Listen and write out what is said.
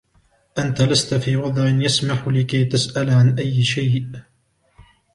أنتَ لست في وضع يسمح لكي تسأل عن أي شئ.